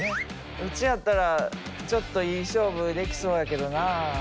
うちやったらちょっといい勝負できそうやけどな。